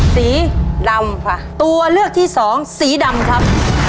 สีดำค่ะตัวเลือกที่สองสีดำครับ